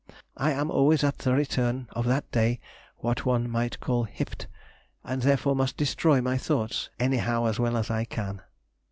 I am always at the return of that day what one may call "hipt," and therefore must destroy my thoughts any how as well as I can.